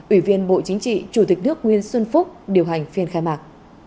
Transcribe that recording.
ủy viên bộ chính trị chủ tịch nước nguyễn xuân phúc điều hành phiên khai mạc